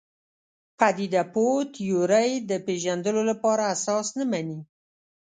پدیده پوه تیورۍ د پېژندلو لپاره اساس نه مني.